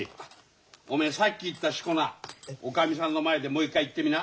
おめえさっき言った四股名おかみさんの前でもう一回言ってみな。